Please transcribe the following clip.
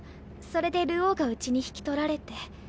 それで流鶯がうちに引き取られて。